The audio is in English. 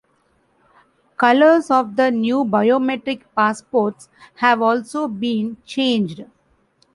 Colours of the new biometric passports have also been changed.